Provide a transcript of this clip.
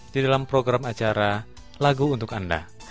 di dalam program acara lagu untuk anda